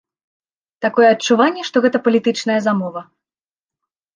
Такое адчуванне, што гэта палітычная замова.